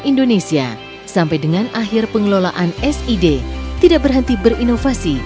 indonesia sampai dengan akhir pengelolaan sid tidak berhenti berinovasi